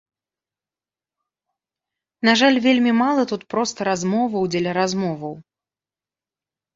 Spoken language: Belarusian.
На жаль, вельмі мала тут проста размоваў дзеля размоваў.